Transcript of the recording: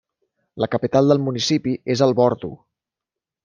La capital del municipi és El Bordo.